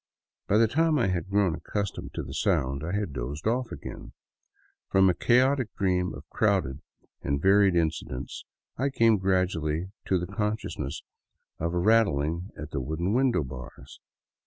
By the time I had grown accustomed to the sound, I had dozed off* again. From a chaotic dream of crowded and varied in cidents I came gradually to the consciousness of a rattling at the wooden window bars.